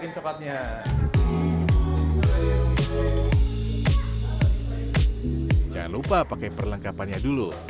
jangan lupa pakai perlengkapannya dulu